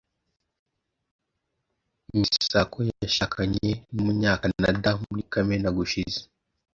Misako yashakanye numunyakanada muri kamena gushize.